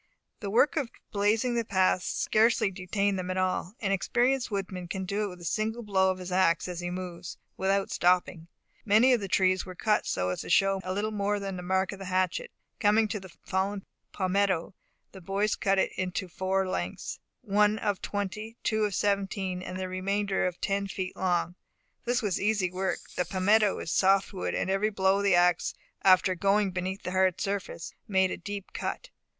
The work of blazing the path scarcely detained them at all; an experienced woodsman can do it with a single blow of his ax as he moves, without stopping. Many of the trees were cut so as to show little more than the mark of the hatchet. Coming to the fallen palmetto, the boys cut it into four lengths, one of twenty, two of seventeen, and the remainder of ten feet long. It was easy work; the palmetto is a soft wood, and every blow of the ax, after going beneath the hard surface, made a deep cut.